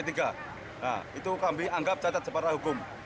nah itu kami anggap catat separah hukum